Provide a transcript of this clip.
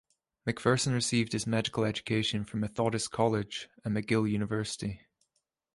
Macpherson received his medical education from Methodist College and McGill University.